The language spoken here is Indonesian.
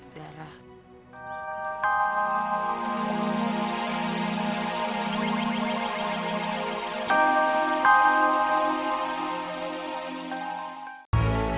kenalin ini dara